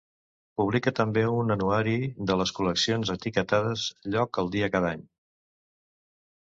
Publica també un anuari de les col·leccions etiquetades lloc al dia cada any.